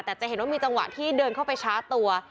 แต่จะเห็นว่ามีจังหวะที่เดินเข้าไปชาร์จตัว